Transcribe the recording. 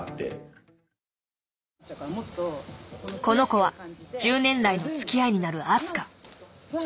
この子は１０年来のつきあいになるＡｓｕｋａ。